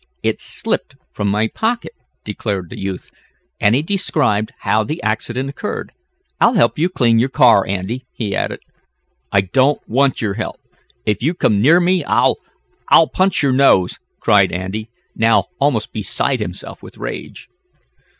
"It slipped from my pocket," declared the youth, and he described how the accident occurred. "I'll help you clean your car, Andy," he added. "I don't want your help! If you come near me I'll I'll punch your nose!" cried Andy, now almost beside himself with rage.